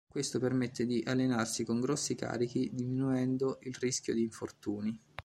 Questo permette di allenarsi con grossi carichi diminuendo il rischio di infortuni.